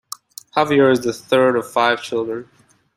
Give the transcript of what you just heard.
Javier is the third of five children.